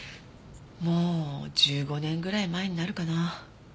もう１５年ぐらい前になるかな。